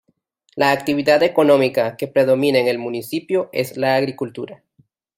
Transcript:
La actividad económica que predomina en el municipio es la agricultura.